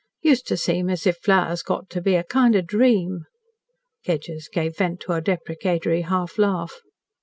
Used to seem as if flowers got to be a kind of dream." Kedgers gave vent to a deprecatory half laugh.